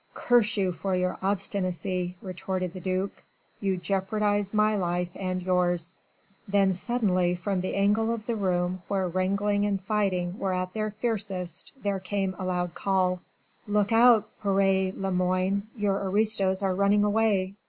"Curse you for your obstinacy," retorted the duc, "you jeopardise my life and yours." Then suddenly from the angle of the room where wrangling and fighting were at their fiercest, there came a loud call: "Look out, père Lemoine, your aristos are running away.